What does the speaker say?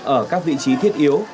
ở các vị trí thiết yếu